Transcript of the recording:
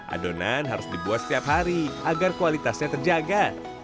adonan harus dibuat setiap hari agar kualitasnya terjaga